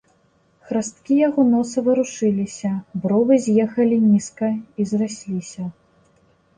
Храсткі яго носа варушыліся, бровы з'ехалі нізка і зрасліся.